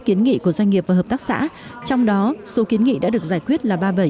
kiến nghị của doanh nghiệp và hợp tác xã trong đó số kiến nghị đã được giải quyết là ba mươi bảy